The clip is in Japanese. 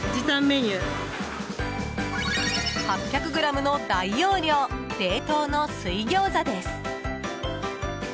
８００ｇの大容量冷凍の水餃子です。